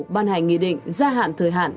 ban hành nghị định gia hạn thời hạn